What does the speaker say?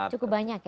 cukup banyak ya